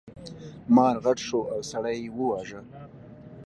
مار غټ شو او سړی یې وواژه.